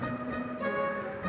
nanti aku mau